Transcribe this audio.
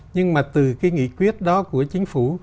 nhưng mà từ cái nghị quyết đó của chính phủ